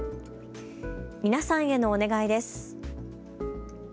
皆さんへのお願いです。